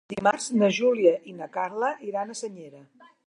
Dimarts na Júlia i na Carla iran a Senyera.